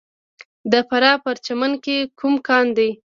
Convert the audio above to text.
د فراه په پرچمن کې کوم کان دی؟